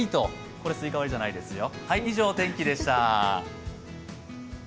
これスイカ割りじゃないですよ。